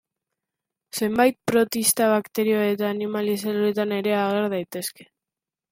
Zenbait protista, bakterio eta animali zeluletan ere ager daiteke.